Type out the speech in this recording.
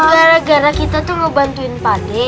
gara gara kita tuh mau bantuin pade